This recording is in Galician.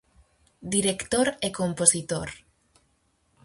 Director e compositor.